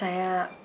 saya sudah menangis